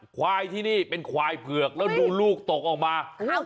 ควายที่นี่เป็นควายเผือกแล้วดูลูกตกออกมา